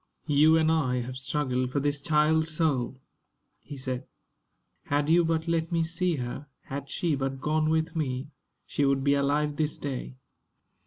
"You and I have struggled for this child's soul," he said. "Had you but let me see her had she but gone with me she would be alive this day."